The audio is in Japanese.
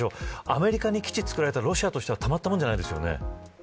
アメリカに基地を作られたらロシアとしてはたまったもんじゃないですよね。